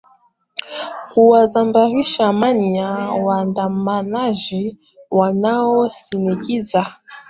kuwasambaratisha mamia waandamanaji wanaoshinikiza